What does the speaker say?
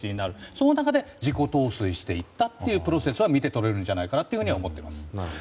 その中で自己陶酔していったというプロセスは見て取れると思ってます。